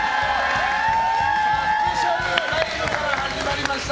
スペシャルライブから始まりました。